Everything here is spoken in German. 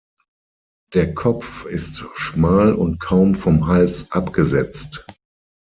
Der Kopf ist schmal und kaum vom Hals abgesetzt.